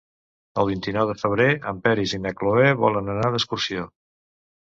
El vint-i-nou de febrer en Peris i na Cloè volen anar d'excursió.